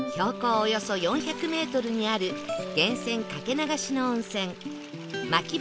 およそ４００メートルにある源泉かけ流しの温泉